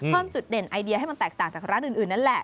เพิ่มจุดเด่นไอเดียให้มันแตกต่างจากร้านอื่นนั่นแหละ